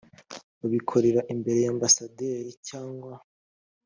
babikorera imbere ya ambasaderi cyangwa